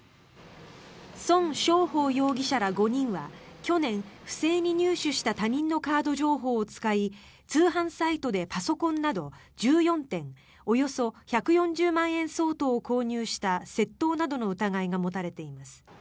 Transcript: ソン・ショウホウ容疑者ら５人は去年不正に入手した他人のカード情報を使い通販サイトでパソコンなど１４点およそ１４０万円相当を購入した窃盗などの疑いが持たれています。